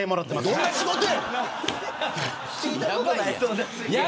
どんな仕事や。